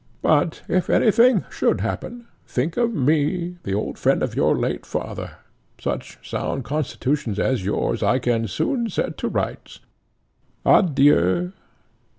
But, if any thing should happen, think of me, the old friend of your late father: such sound constitutions as yours I can soon set to rights. Adieu."